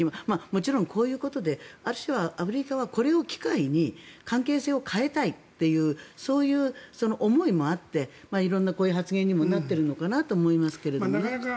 もちろんこういうことである種、アフリカはこれを機会に関係性を変えたいというそういう思いもあって色んなこういう発言にもなっているのかなと思いますけどね。